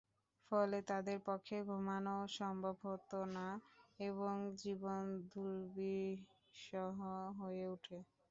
ফলে তাদের পক্ষে ঘুমানোও সম্ভব হতো না এবং জীবন দুর্বিষহ হয়ে ওঠে।